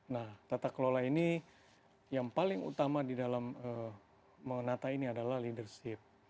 nah tata kelola ini yang paling utama di dalam menata ini adalah leadership